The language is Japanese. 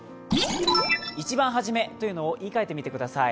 一番初めというのを言い換えてください。